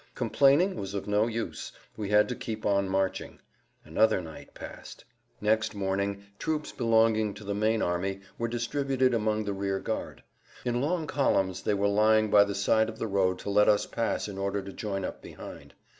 Complaining was of no use. We had to keep on marching. Another night passed. Next morning troops belonging to the main army were distributed among the rear guard. In long columns they were lying by the side of the road to let us pass in order to join up behind.